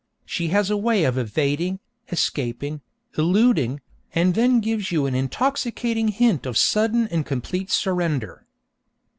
She has a way of evading, escaping, eluding, and then gives you an intoxicating hint of sudden and complete surrender.